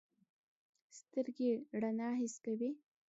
سترګې رڼا حس کوي.